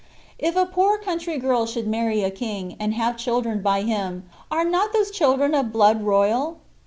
'' If a poor country girl should marry a king, and have children by him, are not those children of blood royal